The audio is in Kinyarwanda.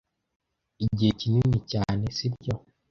igihe kinini cyane sibyo